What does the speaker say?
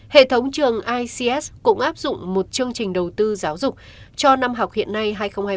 hệ thống trường ics cũng áp dụng một chương trình đầu tư giáo dục cho năm học hiện nay hai nghìn hai mươi ba hai nghìn hai mươi bốn